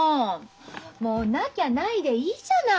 もうなきゃないでいいじゃない。